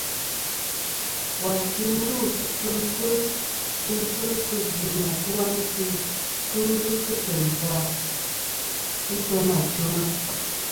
Wà ti ndusɨ tfɨŋsɨ sɨ gvi nɨ atu-a a nse kɨ ghɨ kɨ teyn ta kɨ n-tena chem-a.